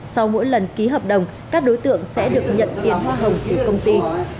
sau mỗi lần ký hợp đồng các đối tượng sẽ được nhận tiền hoa hồng từ công ty